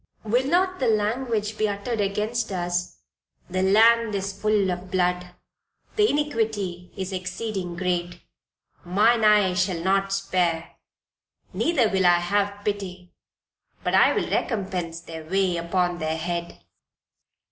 will not the language be uttered against us "the land is full of blood; the iniquity is exceeding great, mine eye shall not spare, neither will I have pity, but I will recompense their way upon their head."